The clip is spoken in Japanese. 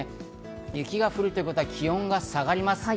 雪になるということは気温が下がります。